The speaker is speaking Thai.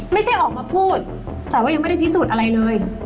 ไม่ใช่ออกมาพูดแต่ว่ายังไม่ได้พิสูจน์อะไรเลย